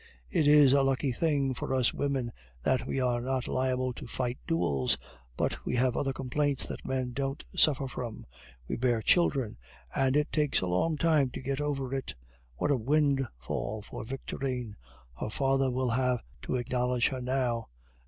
It is a lucky thing for us women that we are not liable to fight duels, but we have other complaints that men don't suffer from. We bear children, and it takes a long time to get over it. What a windfall for Victorine! Her father will have to acknowledge her now!"